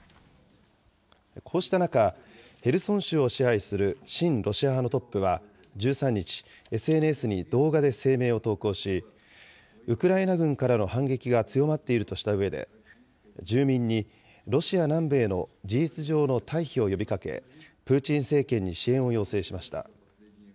こうした中、ヘルソン州を支配する親ロシア派のトップは１３日、ＳＮＳに動画で声明を投稿し、ウクライナ軍からの反撃が強まっているとしたうえで、住民にロシア南部への事実上の退避を呼びかけ、プーチン政権に支援を要請しました。